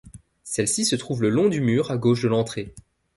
Celles-ci se trouvent le long du mur à gauche de l'entrée.